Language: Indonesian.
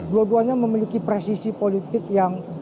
dua duanya memiliki presisi politik yang